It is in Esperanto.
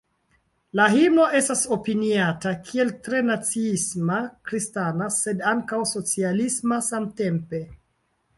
La himno estas opiniata kiel tre naciisma, kristana sed ankaŭ socialisma samtempe.